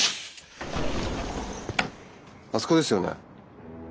あそこですよね？